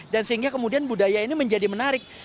dan sehingga kemudian budaya ini menjadi menarik